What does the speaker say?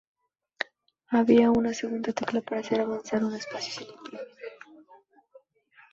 Había una segunda tecla para hacer avanzar un espacio sin imprimir.